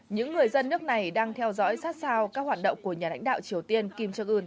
những người dân nước này đang theo dõi sát sao các hoạt động của nhà lãnh đạo triều tiên kim jong un